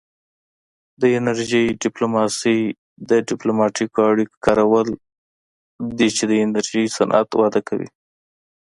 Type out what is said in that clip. د انرژۍ ډیپلوماسي د ډیپلوماتیکو اړیکو کارول دي چې د انرژي صنعت وده کوي